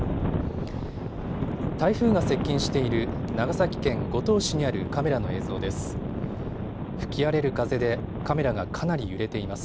台風が接近している長崎県五島市にあるカメラの映像です。